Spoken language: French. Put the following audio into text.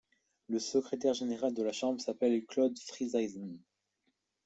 Le Secrétaire général de la Chambre s'appelle Claude Frieseisen.